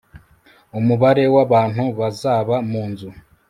umubare w abantu bazaba mu nzu